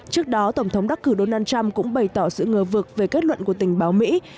trước đó tổng thống đắc cử donald trump cũng bày tỏ sự ngờ vực về kết luận của tình báo mỹ